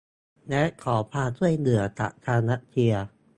และขอความช่วยเหลือจากทางรัสเซีย